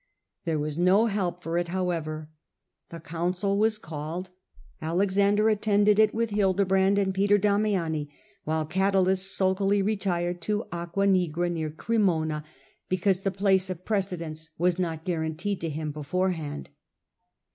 There was no help for it, however; — the council was called, Alexander attended it with Hilde brand and Peter Damiani, while Cadalus sulkily retired to Aqua Nigra near Cremona, because the place of pre cedence was not guaranteed to him beforehand.